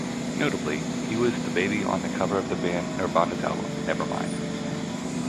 Notably, he was the baby on the cover of the band Nirvana's album "Nevermind".